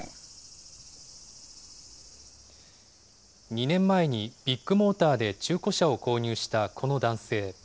２年前にビッグモーターで中古車を購入したこの男性。